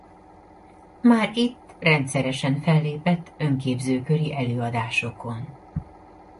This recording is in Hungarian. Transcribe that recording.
Már itt rendszeresen fellépett önképzőköri előadásokon.